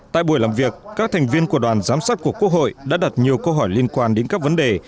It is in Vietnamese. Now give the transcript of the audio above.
tại buổi làm việc các thành viên của đoàn giám sát của quốc hội đã đặt nhiều câu hỏi liên quan đến các vấn đề